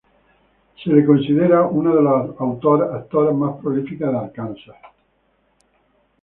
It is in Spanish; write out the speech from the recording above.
Se la considera una de las autoras más prolíficas de Arkansas.